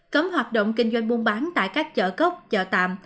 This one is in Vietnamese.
cấm hoạt động kinh doanh buôn bán tại các chợ cốc chợ tạm